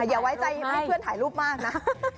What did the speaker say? อย่าไว้ใจให้เพื่อนถ่ายรูปมากนะ